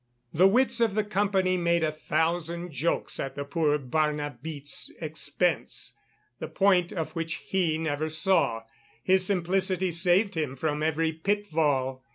The wits of the company made a thousand jokes at the poor Barnabite's expense, the point of which he never saw; his simplicity saved him from every pitfall.